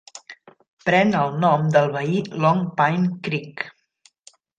Pren el nom del veí Long Pine Creek.